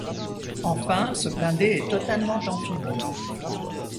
Enfin ce blindé est totalement amphibie.